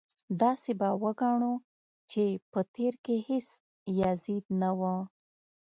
داسې به وګڼو چې په تېر کې هېڅ یزید نه و.